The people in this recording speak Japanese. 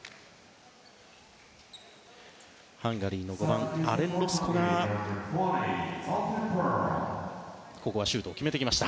ハンガリーの５番アレン・ロスコがここはシュートを決めてきました。